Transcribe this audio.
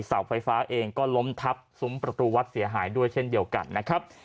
เสาไฟฟ้าเองก็ล้มทับซุ้มประตูวัดเสียหายด้วยเช่นเดียวกันนะครับ